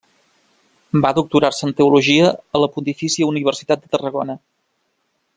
Va doctorar-se en teologia a la Pontifícia Universitat de Tarragona.